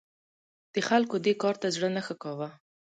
د خلکو دې کار ته زړه نه ښه کاوه.